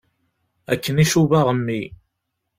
Akken i cubaɣ mmi.